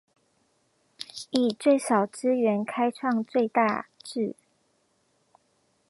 以最少資源開創最大志